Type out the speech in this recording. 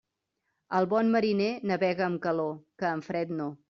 El bon mariner navega amb calor, que amb fred no.